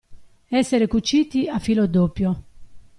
Essere cuciti a filo doppio.